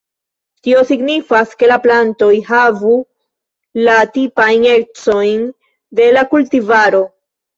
Tio signifas, ke la plantoj havu la tipajn ecojn de la kultivaro.